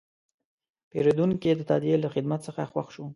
پیرودونکی د تادیې له خدمت څخه خوښ شو.